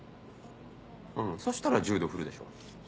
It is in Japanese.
うんそしたら１０度ふるでしょ。